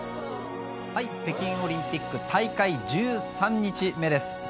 北京オリンピック大会１３日目です。